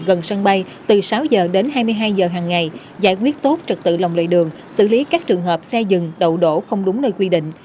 gần sân bay từ sáu h đến hai mươi hai giờ hàng ngày giải quyết tốt trật tự lòng lề đường xử lý các trường hợp xe dừng đậu đổ không đúng nơi quy định